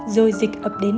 rồi dịch ập đến bình dương